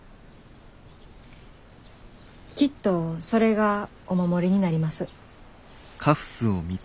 きっとそれがお守りになります。